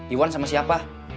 iwan sama siapa